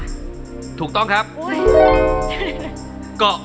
กรุงเทพหมดเลยครับ